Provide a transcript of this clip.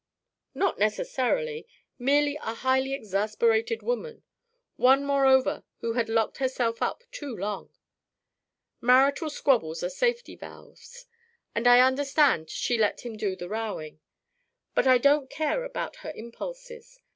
"Not necessarily. Merely a highly exasperated woman. One, moreover, who had locked herself up too long. Marital squabbles are safety valves, and I understand she let him do the rowing. But I don't care about her impulses.